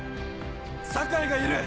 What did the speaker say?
酒井がいる！